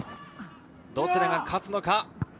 どちらが勝つのか。